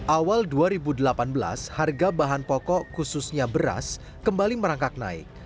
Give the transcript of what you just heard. awal dua ribu delapan belas harga bahan pokok khususnya beras kembali merangkak naik